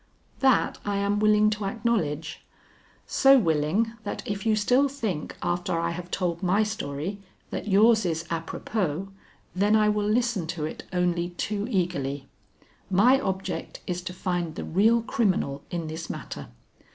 "That I am willing to acknowledge, so willing that if you still think after I have told my story that yours is apropos, then I will listen to it only too eagerly. My object is to find the real criminal in this matter.